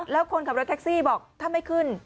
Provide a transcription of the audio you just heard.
แล้วคนขับรถแท็กซี่บอกถ้าไม่ขึ้น